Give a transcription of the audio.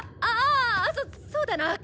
ああそそうだな